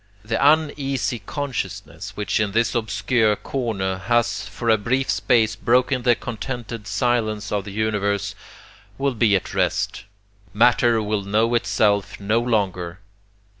The uneasy, consciousness which in this obscure corner has for a brief space broken the contented silence of the universe, will be at rest. Matter will know itself no longer.